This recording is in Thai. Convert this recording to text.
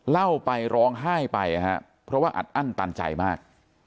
เล่าไปร้องไห้ไปนะครับเพราะว่าอัดอั้นตันใจมาก